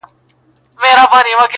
• درد هېڅکله بشپړ نه ختمېږي تل,